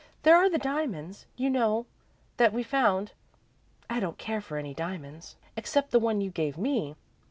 "There are the diamonds, you know, that we found. I don't care for any diamonds, except the one you gave me.